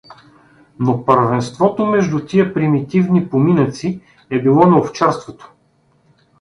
Но първенството между тия примитивни поминъци е било на овчарството.